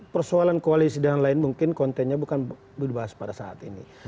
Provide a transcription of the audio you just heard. persoalan koalisi dan lain mungkin kontennya bukan dibahas pada saat ini